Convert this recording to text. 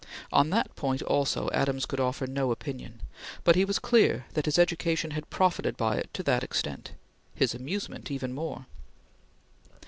On that point, also, Adams could offer no opinion, but he was clear that his education had profited by it to that extent his amusement even more.